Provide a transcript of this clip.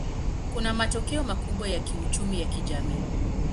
Kuna matokeo makubwa ya kiuchumi na kijamii.